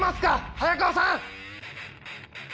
早川さん！